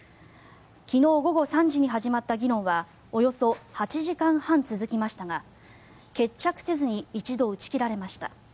昨日午後３時に始まった議論はおよそ８時間半続きましたが決着せずに一度打ち切られました。